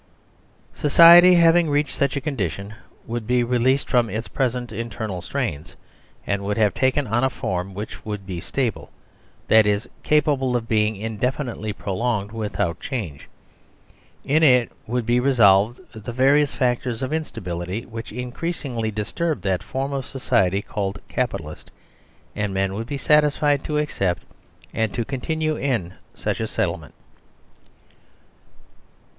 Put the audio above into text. Society having reached such a condition would be released from its present internal strains and would have taken on a form which would be stable : that is, capable of being indefinitely prolonged without change. In it would be resolved the various factors of instability which increasingly disturb that form of society called Capitalist, and men would be satisfied 3 THE SERVILE STATE to accept, and to continue in, such a settlement.